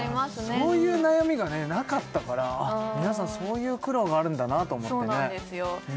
そういう悩みがねなかったから皆さんそういう苦労があるんだなと思ってね